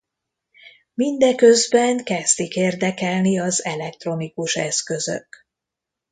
Mindeközben kezdik érdekelni az elektronikus eszközök.